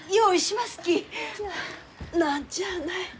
何ちゃあない。